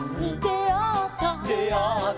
「であった」